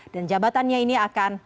dan jabatannya ini akan